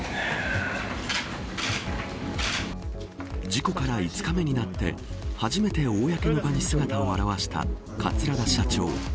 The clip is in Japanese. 事故から５日目になって初めて公の場に姿を現した桂田社長。